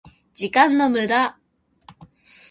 時間の無駄